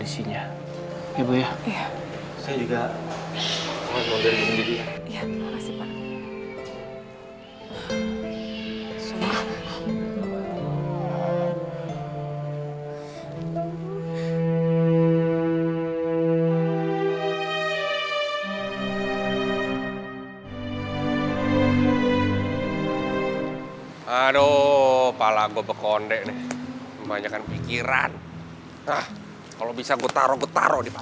sampai jumpa di video selanjutnya